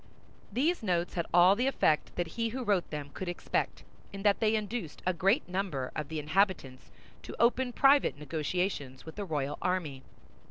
These notes had all the effect that he who wrote them could expect, in that they induced a great number of the inhabitants to open private negotiations with the royal army.